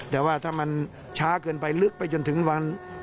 แต่ว่าถ้ามันช้าเกินไปลึกไปจนถึงวัน